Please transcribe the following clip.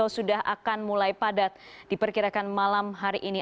sudah akan mulai padat diperkirakan malam hari ini